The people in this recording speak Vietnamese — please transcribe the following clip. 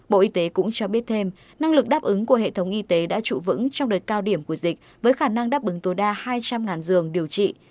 bộ y tế cũng cho biết thêm năng lực đáp ứng của hệ thống y tế đã trụ vững trong đợt cao điểm của dịch với khả năng đáp ứng tối đa hai trăm linh giường điều trị